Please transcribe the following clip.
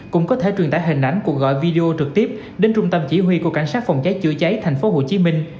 cũng có thể truyền tải hình ảnh của gọi video trực tiếp đến trung tâm chỉ huy của cảnh sát phòng cháy chữa cháy tp hcm